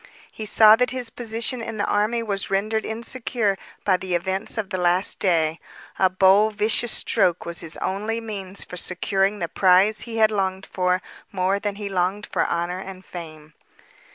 He saw that his position in the army was rendered insecure by the events of the last day. A bold, vicious stroke was his only means for securing the prize he longed for more than he longed for honor and fame.